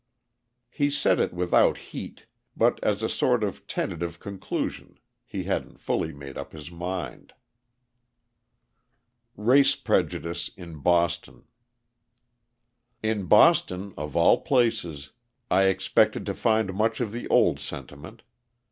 He said it without heat, but as a sort of tentative conclusion, he hadn't fully made up his mind. Race Prejudice in Boston In Boston, of all places, I expected to find much of the old sentiment.